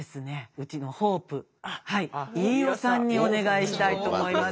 うちのホープ飯尾さんにお願いしたいと思います。